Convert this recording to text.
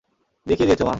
দেখিয়ে দিয়েছ, মা!